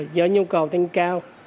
do nhu cầu tăng cao